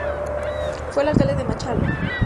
Fue el Alcalde de Machala.